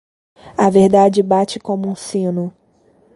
A verdade bate como um sino.